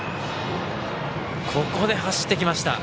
ここで走ってきました。